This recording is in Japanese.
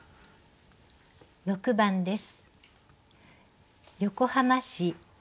６番です。